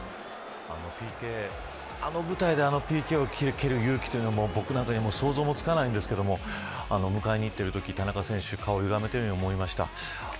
あの舞台であのＰＫを蹴る勇気というのも僕らでは想像もつかないんですけど迎えに行ってるとき、田中選手顔をゆがめているように思いました。